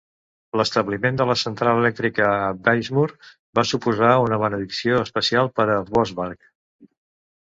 L'establiment de la central elèctrica a Wiesmoor va suposar una benedicció especial per a Vossbarg.